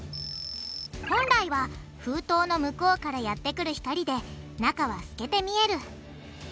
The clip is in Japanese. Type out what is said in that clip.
本来は封筒の向こうからやってくる光で中は透けて見える。